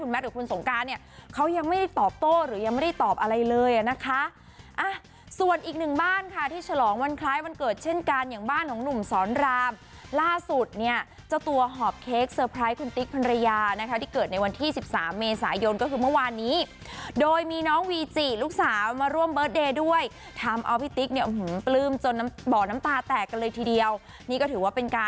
มรึถึงไม่รู้ว่าเขาเลิกกันมาตั้งนานแล้ว